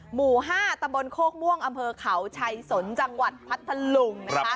หมู่๕ตำบลโคกม่วงอำเภอเขาชัยสนจังหวัดพัทธลุงนะคะ